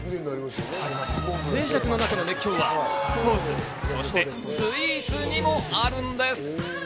静寂の中の熱狂はスポーツ、そしてスイーツにもあるんです。